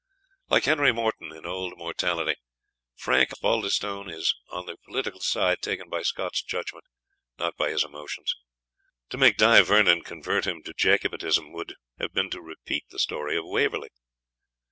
Like Henry Morton, in "Old Mortality," Frank Osbaldistone is on the political side taken by Scott's judgment, not by his emotions. To make Di Vernon convert him to Jacobitism would have been to repeat the story of Waverley.